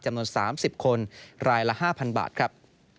จำนวน๓๐คนรายละ๕๐๐บาทครับ